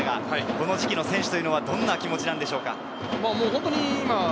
この時期の選手はどんな気持ちでしょうか？